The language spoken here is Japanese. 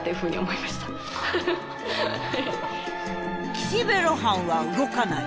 「岸辺露伴は動かない」。